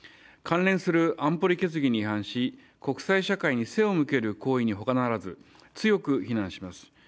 関連する安保理決議に違反し国際社会に背を向ける行為に他ならず強く非難します。